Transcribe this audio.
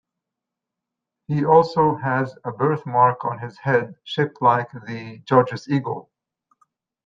He also has a birthmark on his head shaped like the Judges' Eagle.